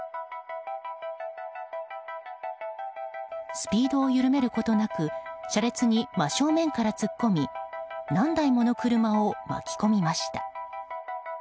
スピードを緩めることなく車列に真正面から突っ込み何台もの車を巻き込みました。